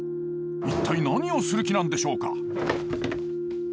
一体何をする気なんでしょうか？